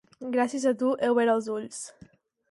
Gràcies a tu he obert els ulls.